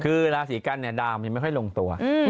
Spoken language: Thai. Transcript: คือราศีกันเนี่ยดาวมันไม่ค่อยลงตัว